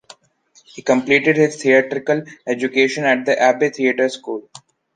He completed his theatrical education at the Abbey Theatre School.